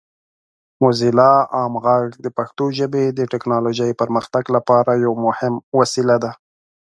موزیلا عام غږ د پښتو ژبې د ټیکنالوجۍ پرمختګ لپاره یو مهم وسیله ده.